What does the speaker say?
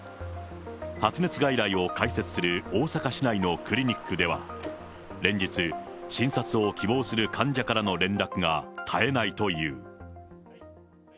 発熱外来を開設する大阪市内のクリニックでは、連日、診察を希望する患者からの連絡が絶えないという。